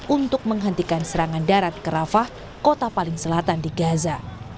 untuk menghentikan serangan darat ke rafah kota paling selatan di gaza